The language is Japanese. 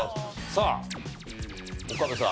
さあ岡部さん